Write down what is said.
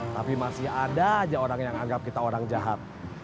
tapi masih ada aja orang yang anggap kita orang jahat